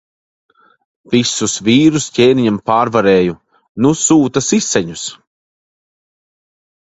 Visus vīrus ķēniņam pārvarēju. Nu sūta siseņus.